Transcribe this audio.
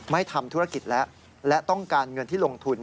ไม่ทำธุรกิจแล้วและต้องการเงินที่ลงทุน